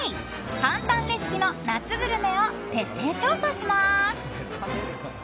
簡単レシピの夏グルメを徹底調査します。